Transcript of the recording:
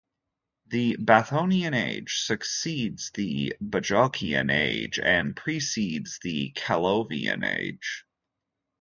The Bathonian age succeeds the Bajocian age and precedes the Callovian age.